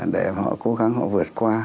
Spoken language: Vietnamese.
để họ cố gắng họ vượt qua